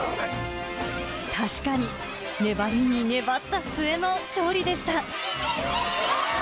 確かに粘りに粘った末の勝利